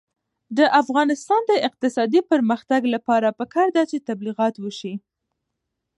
د افغانستان د اقتصادي پرمختګ لپاره پکار ده چې تبلیغات وشي.